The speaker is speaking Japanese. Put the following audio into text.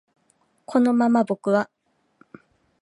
このまま僕は